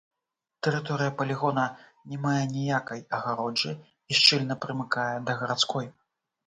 Тэрыторыя палігона не мае ніякай агароджы і шчыльна прымыкае да гарадской.